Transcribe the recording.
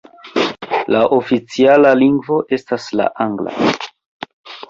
La oficiala lingvo estas la angla.